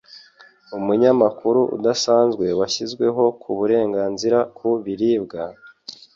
Umunyamakuru udasanzwe washyizweho ku burenganzira ku biribwa,